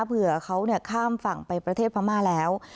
เผื่อเขาข้ามฝั่งไปประเทศพม่าแล้ว